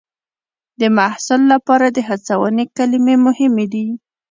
د محصل لپاره د هڅونې کلمې مهمې دي.